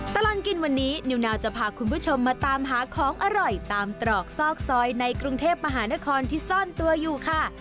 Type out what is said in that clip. ตลอดกินวันนี้นิวนาวจะพาคุณผู้ชมมาตามหาของอร่อยตามตรอกซอกซอยในกรุงเทพมหานครที่ซ่อนตัวอยู่ค่ะ